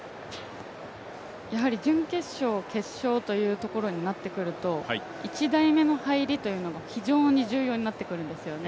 やはり準決勝、決勝というところになってくると１台目の入りというのが非常に重要になってくるんですよね。